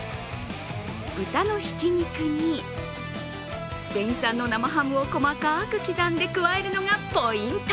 豚のひき肉にスペイン産の生ハムを細かく刻んで加えるのがポイント。